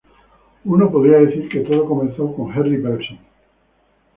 Uno podría decir que todo comenzó con Henri Bergson".